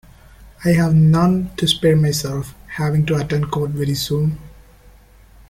I have none to spare myself, having to attend court very soon.